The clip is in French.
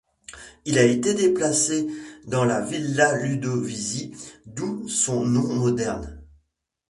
Il a été déplacé dans la Villa Ludovisi, d'où son nom moderne.